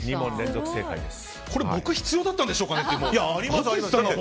これ僕必要だったんですかね？